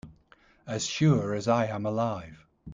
As sure as I am alive.